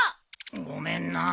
ごめんなー。